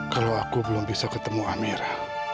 kalau aku belum bisa ketemu amera